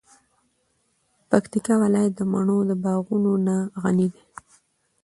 پکتیکا ولایت د مڼو د باغونو نه غنی ده.